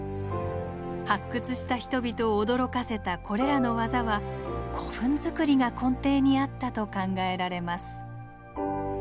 発掘した人々を驚かせたこれらの技は古墳づくりが根底にあったと考えられます。